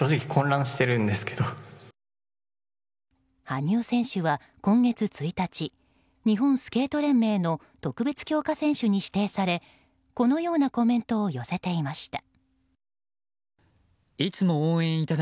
羽生選手は今月１日日本スケート連盟の特別強化選手に指定されこのようなコメントを寄せていました。